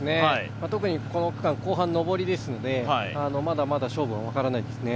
特にこの区間、後半上りですのでまだまだ勝負は分からないですよね。